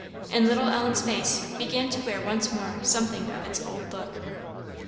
and little Ellen's face began to wear once more something of its old look.